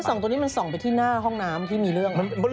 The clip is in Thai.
สองตัวนี้มันส่องไปที่หน้าห้องน้ำที่มีเรื่อง